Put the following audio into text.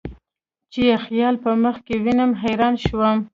چې یې خال په مخ کې وینم، حیران شوم.